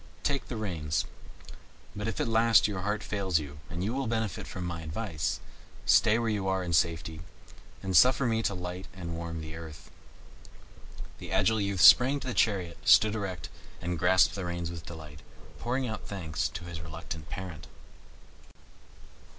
Take the reins; but if at last your heart fails you, and you will benefit by my advice, stay where you are in safety, and suffer me to light and warm the earth." The agile youth sprang into the chariot, stood erect, and grasped the reins with delight, pouring out thanks to his reluctant parent.